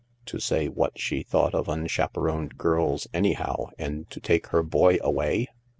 To say what she thought of unchaperoned girls anyhow, and to take her boy away?